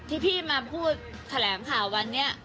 ที่พี่มาพูดแถลงข่าววันนี้